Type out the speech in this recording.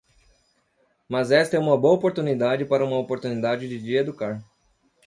Mas esta é uma boa oportunidade para uma oportunidade de educar.